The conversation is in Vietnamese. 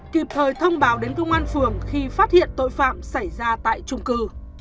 kịp thời thông báo đến công an phường khi phát hiện tội phạm xảy ra tại trung cư